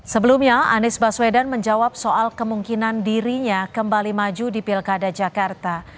sebelumnya anies baswedan menjawab soal kemungkinan dirinya kembali maju di pilkada jakarta